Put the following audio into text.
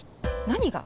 何が？